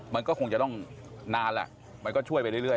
มันก็คงจะต้องนานแหละมันก็ช่วยไปเรื่อย